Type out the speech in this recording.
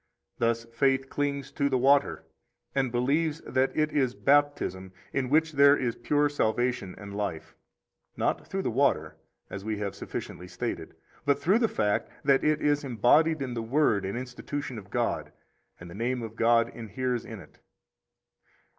Thus faith clings to the water, and believes that it is Baptism, in which there is pure salvation and life; not through the water (as we have sufficiently stated), but through the fact that it is embodied in the Word and institution of God, and the name of God inheres in it.